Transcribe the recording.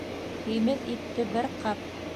Һимеҙ итте бер ҡап.